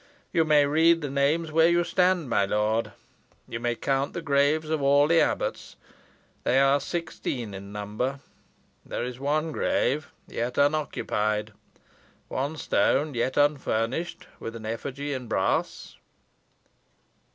You may read the names where you stand, my lord. You may count the graves of all the abbots. They are sixteen in number. There is one grave yet unoccupied one stone yet unfurnished with an effigy in brass."